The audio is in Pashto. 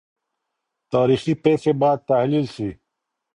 تاريخي پېښې بايد تحليل سي.